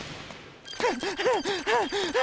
はあはあはあはあ。